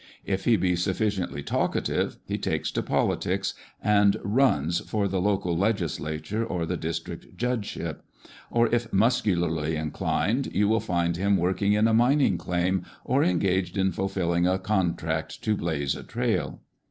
If he be sufficiently talkative, he takes to politics, and " runs" for the local legislature or the dis trict judgeship ; or, if muscularly inclined, you will find him working in a mining claim, or engaged in fulfilling a contract to " blaze" a trail.